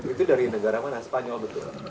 itu dari negara mana spanyol betul